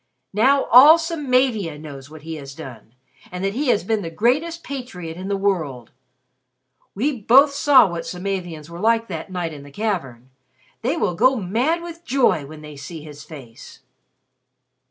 Now all Samavia knows what he has done, and that he has been the greatest patriot in the world. We both saw what Samavians were like that night in the cavern. They will go mad with joy when they see his face!"